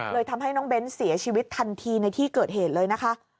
ทำให้น้องเบ้นเสียชีวิตทันทีในที่เกิดเหตุเลยนะคะ